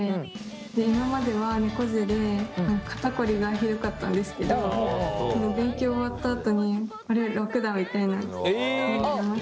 今までは猫背で肩こりがひどかったんですけど勉強終わったあとに「あれ？楽だ」みたいになりました。